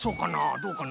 どうかな？